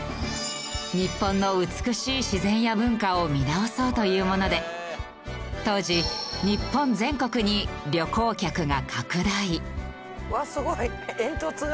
日本の美しい自然や文化を見直そうというもので当時うわあすごい煙突が。